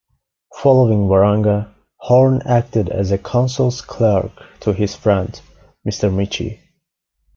Following Waranga, Horne acted as a "counsel's clerk to his friend, Mr Mitchie".